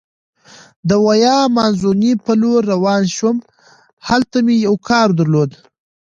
د ویا مانزوني په لورې روان شوم، هلته مې یو کار درلود.